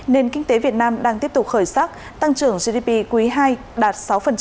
nền kinh tế việt nam đang tiếp tục khởi sắc tăng trưởng gdp quý ii đạt sáu